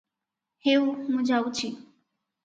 ହେଉ ମୁଁ ଯାଉଚି ।